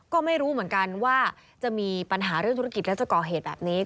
ก็ไม่รู้เหมือนกันว่าจะมีปัญหาเรื่องธุรกิจแล้วจะก่อเหตุแบบนี้